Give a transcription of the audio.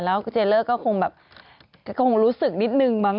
แล้วเจ๊เลอร์ก็คงรู้สึกนิดหนึ่งมั้ง